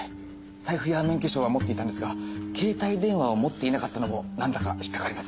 財布や免許証は持っていたんですが携帯電話を持っていなかったのもなんだか引っかかります。